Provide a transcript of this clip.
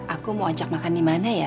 aku mau ajak makan dimana ya